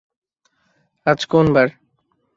আজ কোন বার?